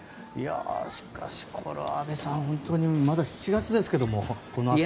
しかし、これは安部さんまだ７月ですけどこの暑さ。